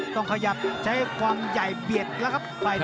ต้องขยับใช้ความใหญ่เบียดแล้วครับ